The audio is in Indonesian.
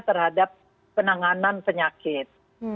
terhadap penanganan penyakit